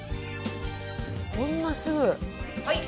こんなすぐ。